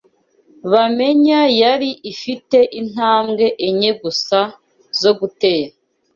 Bamenya yari ifite intambwe enye gusa zo gutera